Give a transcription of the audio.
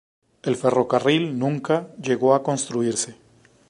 El ferrocarril nunca llegó a construirse.